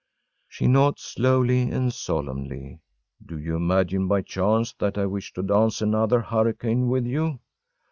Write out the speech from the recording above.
‚ÄĚ She nods slowly and solemnly. “Do you imagine, by chance, that I wish to dance another hurricane with you?